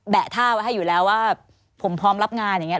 ะท่าไว้ให้อยู่แล้วว่าผมพร้อมรับงานอย่างนี้